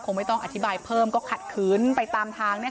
ไม่ต้องอธิบายเพิ่มก็ขัดขืนไปตามทาง